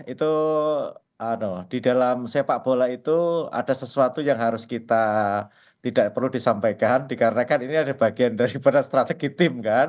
itu di dalam sepak bola itu ada sesuatu yang harus kita tidak perlu disampaikan dikarenakan ini ada bagian daripada strategi tim kan